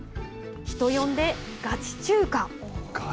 人呼んで、ガチ中華。